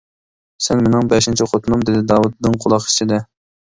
«سەن مېنىڭ بەشىنچى خوتۇنۇم» دېدى داۋۇت دىڭ قۇلاق ئىچىدە.